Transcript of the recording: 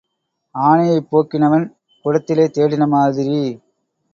ஆனையைப் போக்கினவன் குடத்திலே தேடின மாதிரி.